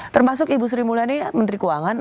termasuk ibu sri mulyani menteri keuangan